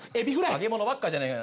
揚げ物ばっかじゃねえか。